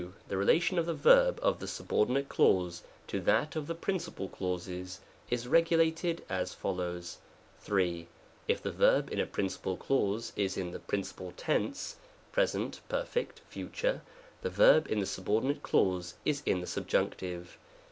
The relation of the verb of the subordinate clause to that of the principal clauses, is regulated as follows : 3. If the verb in a principal clause is in the princi §136. SEQUENCE OP TEKSES 197 pal tense (Pres., Perf., Fut.), the verb in the subordi nate, clause is in the Subjunctive.